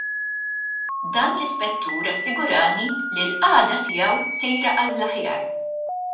Dan l-Ispettur assigurani li l-qagħda tiegħu sejra għall-aħjar.